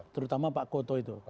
terutama pak koto itu